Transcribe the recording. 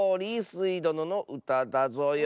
スイどののうただぞよ。